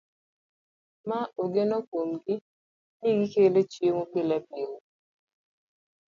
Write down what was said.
Ma ogeno kuomgi ni gikelo chiemo pilepile